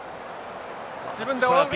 自分で追う。